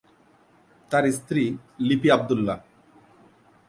তার স্ত্রী লিপি আব্দুল্লাহ।